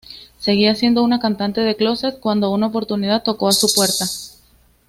Seguía siendo una cantante de clóset, cuando una oportunidad tocó a su puerta.